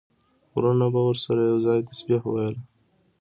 غرونو به ورسره یو ځای تسبیح ویله.